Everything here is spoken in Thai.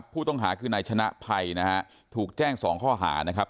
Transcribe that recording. ผู้ต้องหาคือนายชนะภัยนะฮะถูกแจ้ง๒ข้อหานะครับ